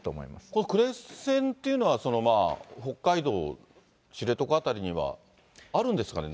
これ、クレーン船というのは北海道知床辺りにはあるんですかね？